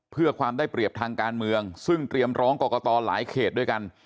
เพื่อความได้เปรียบทางการเมืองซึ่งเตรียมร้องกรกตหลายเขตด้วยกัน